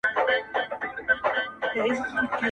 د تل لپاره,